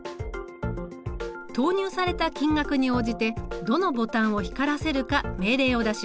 投入された金額に応じてどのボタンを光らせるか命令を出します。